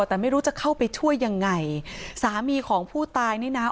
แต่ไม่รู้จะเข้าไปช่วยยังไงสามีของผู้ตายนี่นะ